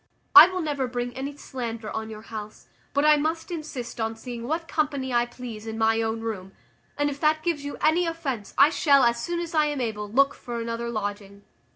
I will never bring any slander on your house; but I must insist on seeing what company I please in my own room; and if that gives you any offence, I shall, as soon as I am able, look for another lodging."